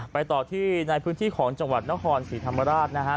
ต่อที่ในพื้นที่ของจังหวัดนครศรีธรรมราชนะฮะ